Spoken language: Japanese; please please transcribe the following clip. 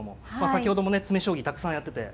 先ほどもね詰将棋たくさんやってて。